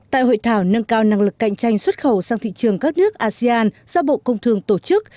tại hội thảo nâng cao năng lực cạnh tranh xuất khẩu sang thị trường các nước asean do bộ công thương tổ chức